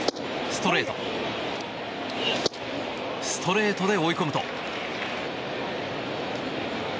ストレートで追い込むと。